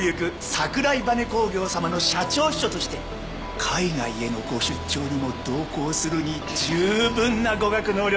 桜井バネ工業様の社長秘書として海外へのご出張にも同行するに十分な語学能力を身につけています。